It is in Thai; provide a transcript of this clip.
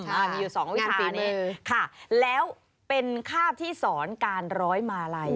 อ่ามีอยู่สองวิธีนี้ค่ะแล้วเป็นคาบที่สอนการร้อยมาลัย